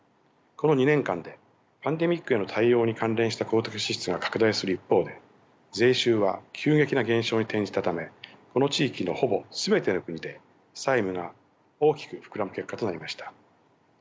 この２年間でパンデミックへの対応に関連した公的支出が拡大する一方で税収は急激な減少に転じたためこの地域のほぼ全ての国で債務が大きく膨らむ結果となりました。